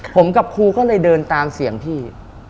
ผมกับครูก็เลยเดินตามเสียงพี่